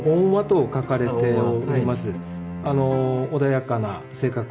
穏やかな性格